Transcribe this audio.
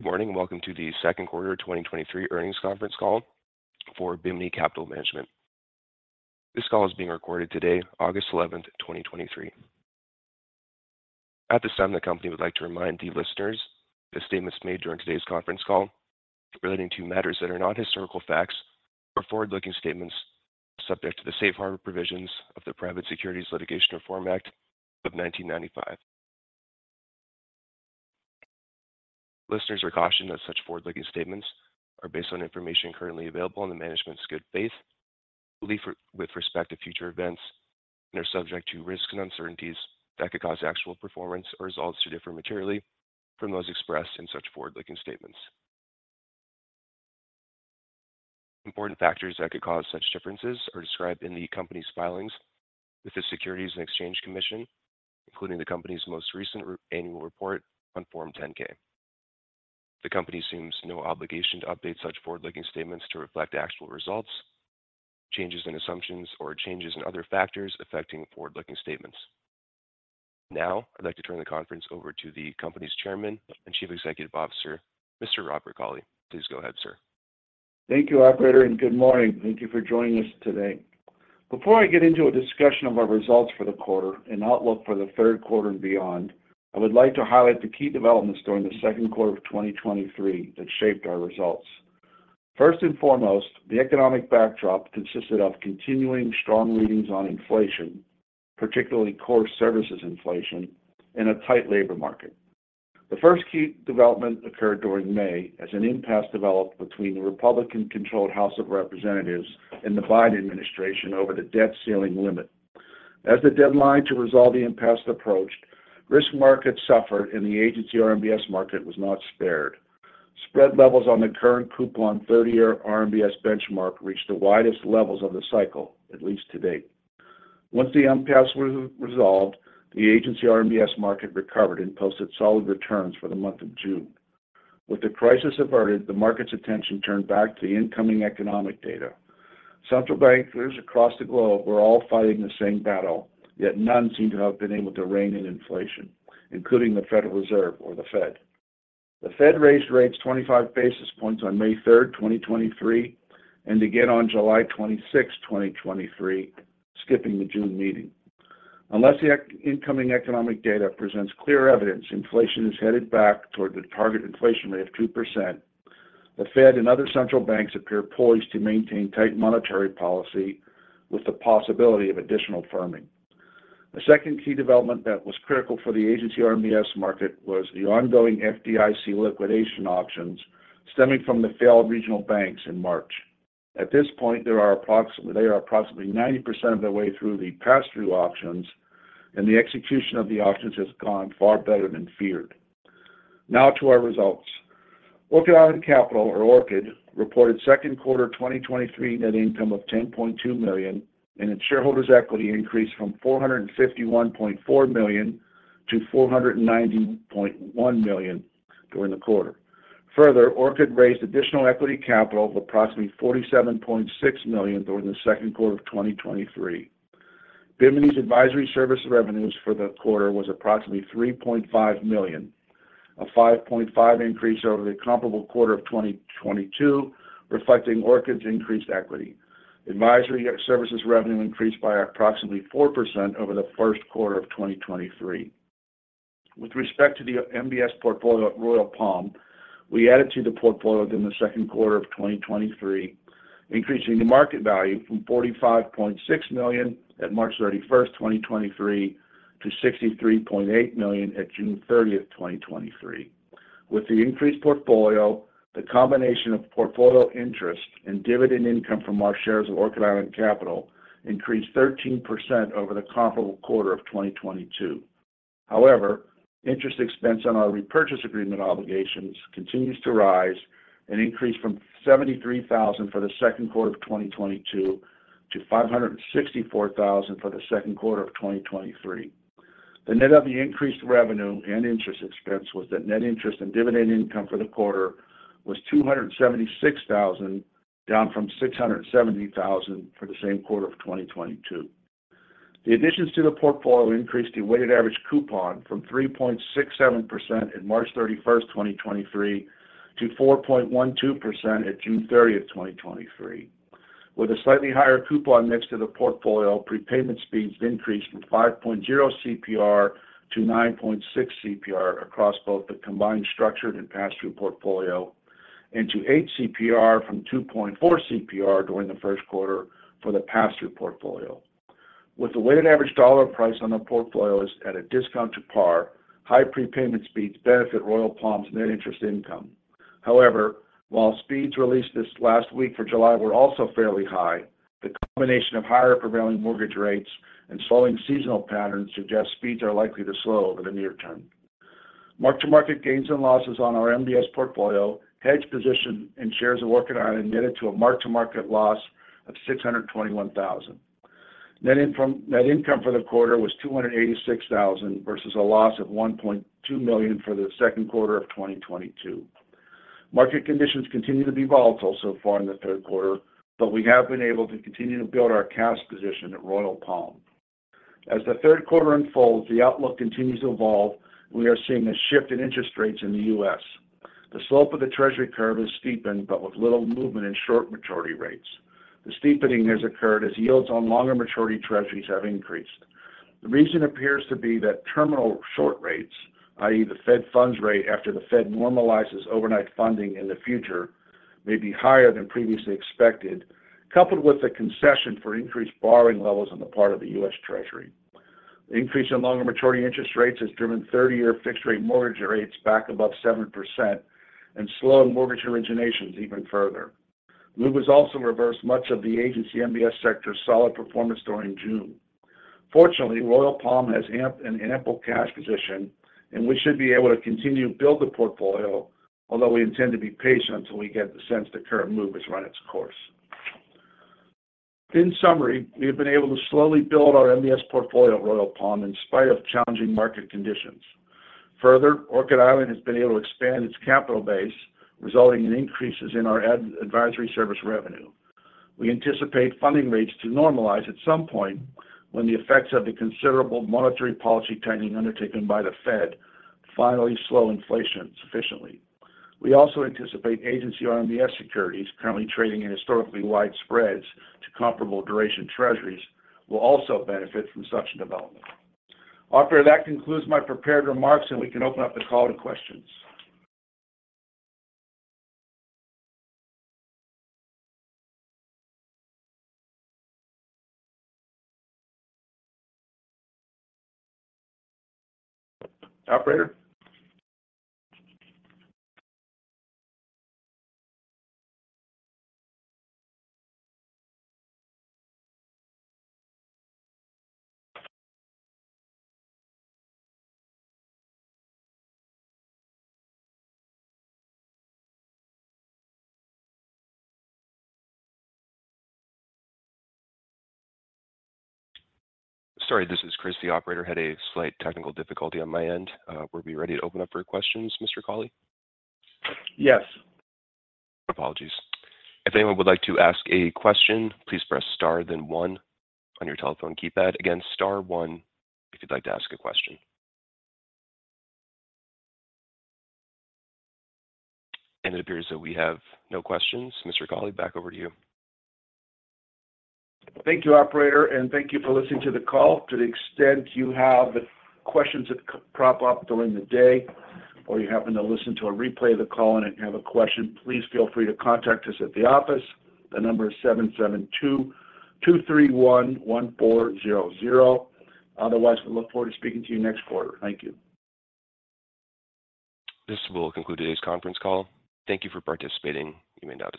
Good morning, welcome to the second quarter 2023 earnings conference call for Bimini Capital Management. This call is being recorded today, August 11th, 2023. At this time, the company would like to remind the listeners that statements made during today's conference call relating to matters that are not historical facts or forward-looking statements subject to the safe harbor provisions of the Private Securities Litigation Reform Act of 1995. Listeners are cautioned that such forward-looking statements are based on information currently available in the management's good faith, belief with respect to future events, and are subject to risks and uncertainties that could cause actual performance or results to differ materially from those expressed in such forward-looking statements. Important factors that could cause such differences are described in the company's filings with the Securities and Exchange Commission, including the company's most recent annual report on Form 10-K. The company assumes no obligation to update such forward-looking statements to reflect actual results, changes in assumptions, or changes in other factors affecting forward-looking statements. Now, I'd like to turn the conference over to the company's Chairman and Chief Executive Officer, Mr. Robert Cauley. Please go ahead, sir. Thank you, operator. Good morning. Thank you for joining us today. Before I get into a discussion of our results for the quarter and outlook for the third quarter and beyond, I would like to highlight the key developments during the second quarter of 2023 that shaped our results. First and foremost, the economic backdrop consisted of continuing strong readings on inflation, particularly core services inflation, in a tight labor market. The first key development occurred during May as an impasse developed between the Republican-controlled House of Representatives and the Biden administration over the debt ceiling limit. As the deadline to resolve the impasse approached, risk markets suffered. The agency RMBS market was not spared. Spread levels on the current coupon 30-year RMBS benchmark reached the widest levels of the cycle, at least to date. Once the impasse was resolved, the agency RMBS market recovered and posted solid returns for the month of June. With the crisis averted, the market's attention turned back to the incoming economic data. Central bankers across the globe were all fighting the same battle, yet none seem to have been able to rein in inflation, including the Federal Reserve or the Fed. The Fed raised rates 25 basis points on May 3, 2023, and again on July 26, 2023, skipping the June meeting. Unless the incoming economic data presents clear evidence, inflation is headed back toward the target inflation rate of 2%. The Fed and other central banks appear poised to maintain tight monetary policy with the possibility of additional firming. The second key development that was critical for the agency RMBS market was the ongoing FDIC liquidation auctions stemming from the failed regional banks in March. At this point, they are approximately 90% of the way through the pass-through auctions, and the execution of the auctions has gone far better than feared. Now to our results. Orchid Island Capital, or Orchid, reported second quarter 2023 net income of $10.2 million, and its shareholders equity increased from $451.4 million to $490.1 million during the quarter. Further, Orchid raised additional equity capital of approximately $47.6 million during the second quarter of 2023. Bimini's advisory service revenues for the quarter was approximately $3.5 million, a 5.5% increase over the comparable quarter of 2022, reflecting Orchid's increased equity. Advisory services revenue increased by approximately 4% over the first quarter of 2023. With respect to the MBS portfolio at Royal Palm, we added to the portfolio during the second quarter of 2023, increasing the market value from $45.6 million at March 31, 2023, to $63.8 million at June 30, 2023. With the increased portfolio, the combination of portfolio interest and dividend income from our shares of Orchid Island Capital increased 13% over the comparable quarter of 2022. However, interest expense on our repurchase agreement obligations continues to rise and increased from $73,000 for the second quarter of 2022 to $564,000 for the second quarter of 2023. The net of the increased revenue and interest expense was that net interest and dividend income for the quarter was $276,000, down from $670,000 for the same quarter of 2022. The additions to the portfolio increased the weighted average coupon from 3.67% in March 31, 2023, to 4.12% at June 30, 2023. With a slightly higher coupon next to the portfolio, prepayment speeds increased from 5.0 CPR to 9.6 CPR across both the combined structured and pass-through portfolio, and to 8 CPR from 2.4 CPR during the first quarter for the pass-through portfolio. With the weighted average dollar price on the portfolios at a discount to par, high prepayment speeds benefit Royal Palm's net interest income. However, while speeds released this last week for July were also fairly high, the combination of higher prevailing mortgage rates and slowing seasonal patterns suggest speeds are likely to slow over the near term. Mark-to-market gains and losses on our MBS portfolio, hedge position, and shares of Orchid Island netted to a mark-to-market loss of $621,000. Net income, net income for the quarter was $286,000 versus a loss of $1.2 million for the second quarter of 2022. Market conditions continue to be volatile so far in the third quarter, but we have been able to continue to build our cash position at Royal Palm. As the third quarter unfolds, the outlook continues to evolve, and we are seeing a shift in interest rates in the US. The slope of the Treasury curve has steepened, but with little movement in short maturity rates. The steepening has occurred as yields on longer maturity Treasuries have increased. The reason appears to be that terminal short rates, i.e., the fed funds rate after the Fed normalizes overnight funding in the future, may be higher than previously expected, coupled with a concession for increased borrowing levels on the part of the US Treasury. The increase in longer maturity interest rates has driven 30-year fixed-rate mortgage rates back above 7% and slowed mortgage originations even further, which has also reversed much of the agency MBS sector's solid performance during June. Fortunately, Royal Palm has an ample cash position, and we should be able to continue to build the portfolio, although we intend to be patient until we get the sense the current move has run its course. In summary, we have been able to slowly build our MBS portfolio at Royal Palm in spite of challenging market conditions. Further, Orchid Island has been able to expand its capital base, resulting in increases in our advisory service revenue. We anticipate funding rates to normalize at some point when the effects of the considerable monetary policy tightening undertaken by the Fed finally slow inflation sufficiently. We also anticipate agency RMBS securities, currently trading in historically wide spreads to comparable duration Treasuries, will also benefit from such a development. Operator, that concludes my prepared remarks, and we can open up the call to questions. Operator? Sorry, this is Chris. The operator had a slight technical difficulty on my end. We'll be ready to open up for questions, Mr. Cauley? Yes. Apologies. If anyone would like to ask a question, please press star then 1 on your telephone keypad. Again, star 1 if you'd like to ask a question. It appears that we have no questions. Mr. Cauley, back over to you. Thank you, operator. Thank you for listening to the call. To the extent you have questions that crop up during the day, or you happen to listen to a replay of the call and you have a question, please feel free to contact us at the office. The number is 772-231-1400. Otherwise, we look forward to speaking to you next quarter. Thank you. This will conclude today's conference call. Thank you for participating. You may now disconnect.